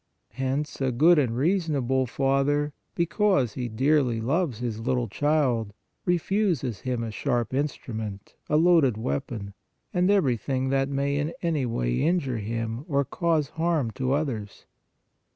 Hence a good and reasonable father, because he dearly loves his little child, refuses him a sharp instrument, a loaded weapon, and everything that may in any way injure him or cause harm to others.